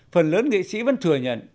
phần lớn nghệ sĩ vẫn thừa nhận